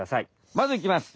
まずいきます。